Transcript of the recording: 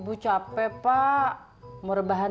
tunggu saya mau lihat